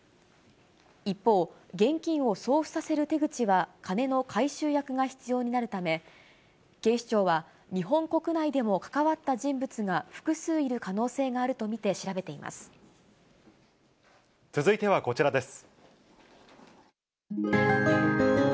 一方、現金を送付させる手口は金の回収役が必要になるため、警視庁は日本国内でも関わった人物が複数いる可能性があると見て続いてはこちらです。